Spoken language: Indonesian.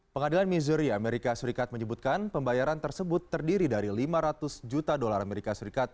pengadilan misuria amerika serikat menyebutkan pembayaran tersebut terdiri dari lima ratus juta dolar amerika serikat